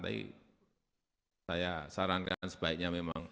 tapi saya sarankan sebaiknya memang